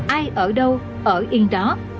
ai ở đâu ở yên đó